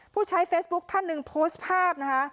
ผู้ใช้เฟซบุ๊คท่านหนึ่งโพสต์ภาพนะคะ